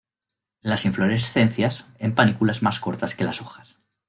Las inflorescencias en panículas más cortas que las hojas.